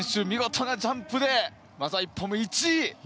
見事なジャンプでまずは１本目１位。